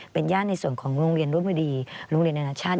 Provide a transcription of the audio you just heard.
เป็นญาติในส่วนของโรงเรียนรุมดีโรงเรียนนานาชาติ